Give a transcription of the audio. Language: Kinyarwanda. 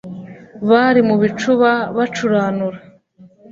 bari mu bicuba bacuranura,